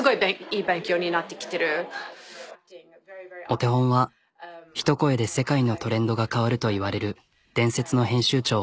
お手本はひと声で世界のトレンドが変わるといわれる伝説の編集長。